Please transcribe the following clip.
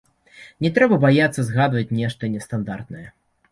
Не трэба баяцца загадваць нешта нестандартнае.